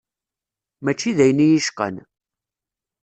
Mačči d ayen i y-icqan.